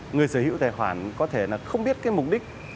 người sở hữu tài khoản có thể không biết mục đích